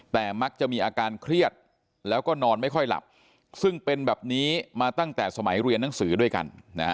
แต่มักจะมีอาการเครียดแล้วก็นอนไม่ค่อยหลับซึ่งเป็นแบบนี้มาตั้งแต่สมัยเรียนหนังสือด้วยกัน